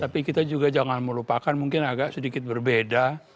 tapi kita juga jangan melupakan mungkin agak sedikit berbeda